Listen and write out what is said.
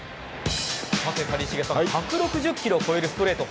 谷繁さん１６０キロを超えるストレート